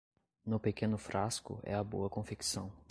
No pequeno frasco é a boa confecção.